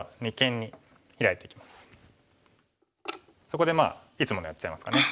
そこでいつものやっちゃいますかね。